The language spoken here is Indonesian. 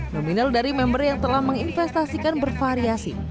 nominal dari member yang telah menginvestasikan bervariasi